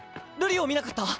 瑠璃を見なかった？